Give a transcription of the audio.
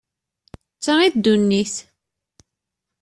D ta i ddunit.